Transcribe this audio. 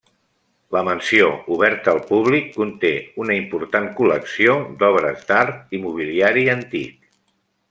La mansió, oberta al públic, conté una important col·lecció d'obres d'art i mobiliari antic.